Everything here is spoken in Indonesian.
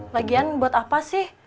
lagian buat apa sih